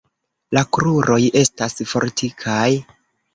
La kruroj estas fortikaj.